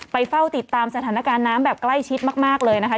เฝ้าติดตามสถานการณ์น้ำแบบใกล้ชิดมากเลยนะคะ